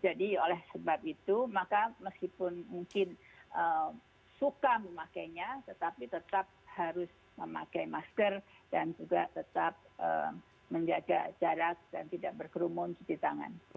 jadi oleh sebab itu maka meskipun mungkin suka memakainya tetapi tetap harus memakai masker dan juga tetap menjaga jarak dan tidak berkerumun cuci tangan